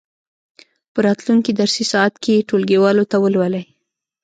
په راتلونکې درسي ساعت کې یې ټولګیوالو ته ولولئ.